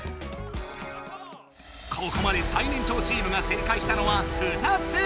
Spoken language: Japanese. ここまで最年長チームが正解したのは２つ！